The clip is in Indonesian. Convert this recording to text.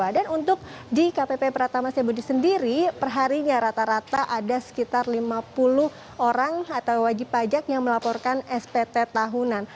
dan untuk di kpp pratama masya budi sendiri perharinya rata rata ada sekitar lima puluh orang atau wajib pajak yang melaporkan spt tahunan